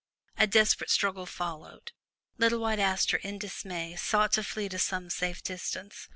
A desperate struggle followed. Little White Aster, in dismay, sought to flee to some safe distance.